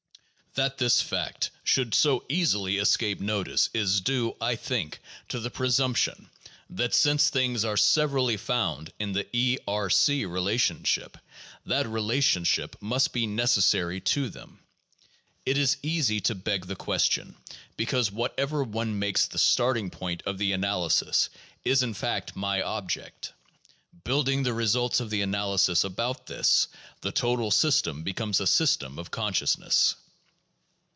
That this fact should so easily escape notice is due, I think, to the presumption that since things are severally found in the (E)R e relationship, that rela tionship must be necessary to them. It is easy to beg the question because whatever one makes the starting point of the analysis is in fact "my object." Building the results of the analysis about this, the total system becomes a system of consciousness.